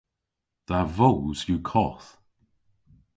Dha voos yw koth.